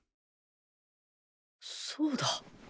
そうだ！